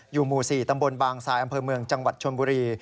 หมู่๔ตำบลบางทรายอำเภอเมืองจังหวัดชนบุรี